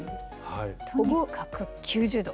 とにかく９０度。